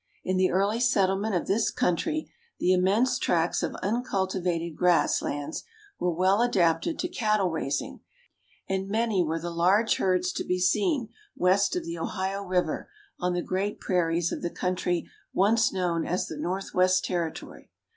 In the early settlement of this country the immense tracts of uncultivated grass lands were well adapted to cattle raising, and many were the large herds to be seen west of the Ohio river on the great prairies of the country once known as the Northwest Territory.